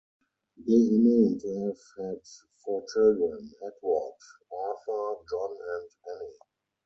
They are known to have had four children: Edward, Arthur, John and Anne.